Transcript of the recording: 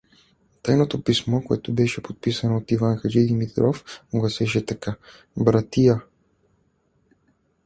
Тайното писмо, което беше подписано от Иван хаджи Димитров, гласеше така: Братия!